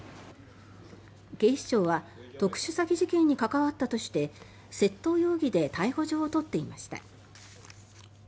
警視庁は特殊詐欺事件に関わったとして窃盗容疑で逮捕状を取っていました。